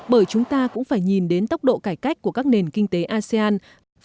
bởi chúng ta cũng phải nhìn đến tốc độ cải cách của các nền kinh tế asean